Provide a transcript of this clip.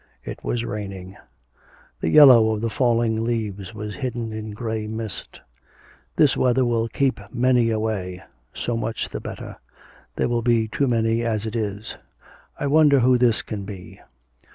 It was raining. The yellow of the falling leaves was hidden in grey mist. 'This weather will keep many away; so much the better; there will be too many as it is. I wonder who this can be.'